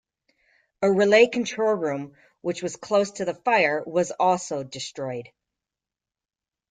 A relay control room which was close to the fire was also destroyed.